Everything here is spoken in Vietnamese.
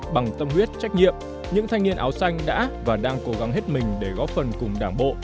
bằng tâm huyết trách nhiệm những thanh niên áo xanh đã và đang cố gắng hết mình để góp phần cùng đảng bộ